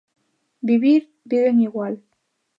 Vivir, viven igual.